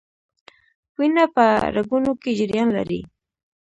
وینه په رګونو کې جریان لري